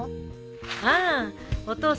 ああお父さん